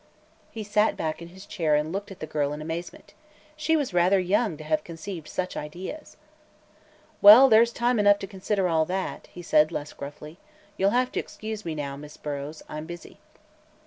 He sat back in his chair and looked at the girl in amazement. She was rather young to have conceived such ideas. "Well, there's time enough to consider all that," he said, less gruffly. "You'll have to excuse me now, Miss Burrows. I'm busy."